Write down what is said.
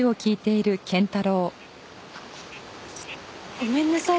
ごめんなさい